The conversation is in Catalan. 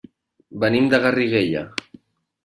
Venim de Garriguella.